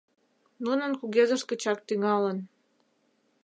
Нунын кугезышт гычак тӱҥалын.